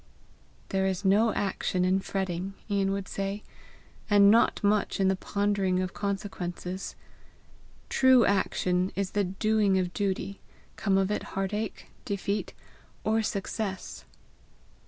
"There is no action in fretting," Ian would say, "and not much in the pondering of consequences. True action is the doing of duty, come of it heartache, defeat, or success."